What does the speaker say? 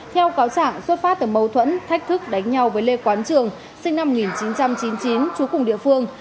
theo cáo trạng xuất phát từ mâu thuẫn thách thức đánh nhau với lê quán trường sinh năm một nghìn chín trăm chín mươi chín trú cùng địa phương